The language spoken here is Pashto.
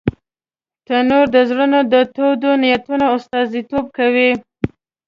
تنور د زړونو د تودو نیتونو استازیتوب کوي